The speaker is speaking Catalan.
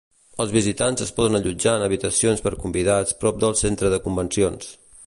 Els visitants es poden allotjar en habitacions per convidats prop del centre de convencions.